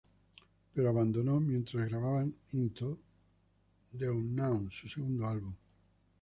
Pero abandonó mientras grababan Into the Unknown, su segundo álbum.